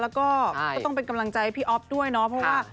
แล้วก็ก็ต้องเป็นกำลังใจพี่อ๊อฟด้วยเนาะเพราะว่า